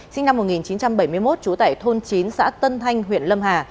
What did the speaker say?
sinh năm một nghìn chín trăm bảy mươi một trú tại thôn chín xã tân thanh huyện lâm hà